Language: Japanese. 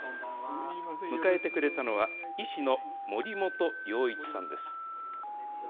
迎えてくれたのは、医師の守本陽一さんです。